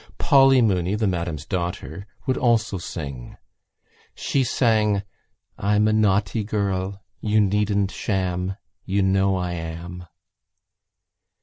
Polly Mooney, the Madam's daughter, would also sing. She sang: _I'm a ... naughty girl. You needn't sham: You know I am.